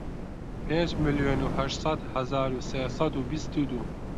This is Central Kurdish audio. پێنج ملیۆن و هەشت سەد هەزار و سێ سەد و بیست و دوو